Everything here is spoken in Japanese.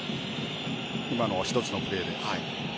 今の一つのプレーで。